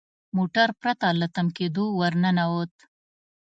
موټر پرته له تم کیدو ور ننوت.